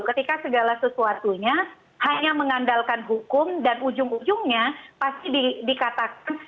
ketika segala sesuatunya hanya mengandalkan hukum dan ujung ujungnya pasti dikatakan